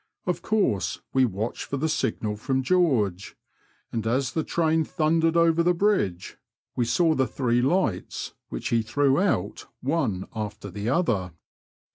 Of course we watched for the signal from George, and as the train thundered over the bridge, we saw the three lights, which he threw out one after the other.